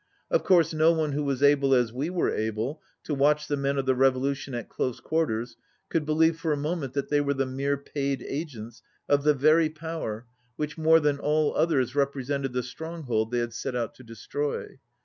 Of course no one who was able, as we were able, to watch the men of the revolution at close quarters could believe for a moment that they were the mere paid agents of the very power which more than all others rep resented the stronghold they had set out to de stroy.